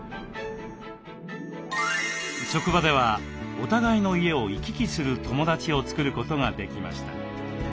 職場ではお互いの家を行き来する友だちを作ることができました。